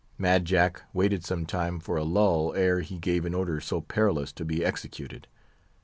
Mad Jack waited some time for a lull, ere he gave an order so perilous to be executed.